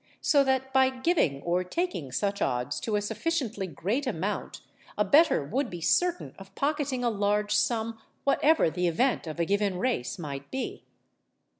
So that, by giving or taking such odds to a sufficiently great amount, a bettor would be certain of pocketing a large sum, whatever the event of a given race might be.